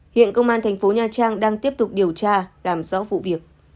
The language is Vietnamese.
hiện công an tp nha trang đang tiếp tục điều tra làm rõ vụ việc